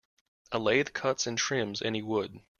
A lathe cuts and trims any wood.